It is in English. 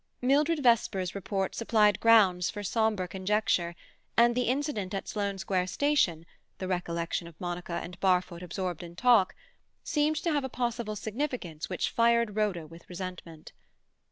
Mildred Vesper's report supplied grounds for sombre conjecture, and the incident at Sloane Square Station, the recollection of Monica and Barfoot absorbed in talk, seemed to have a possible significance which fired Rhoda with resentment.